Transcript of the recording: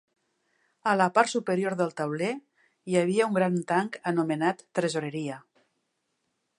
A la part superior del tauler hi havia un gran tanc anomenat tresoreria.